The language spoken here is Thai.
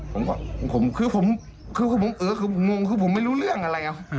ผมก็คือผมคือผมเออคือผมงงคือผมไม่รู้เรื่องอะไร